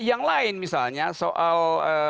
yang lain misalnya soal